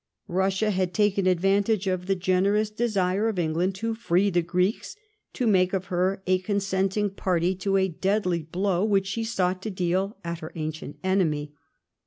Russia had taken advantage of the generous desire of England to free the Greeks to make of her a consentinof party to a deadly blow which she sought to deal at her ancient enemy.